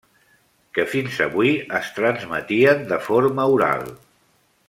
Que fins avui es transmetien de forma oral.